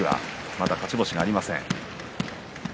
まだ勝ち星がありません。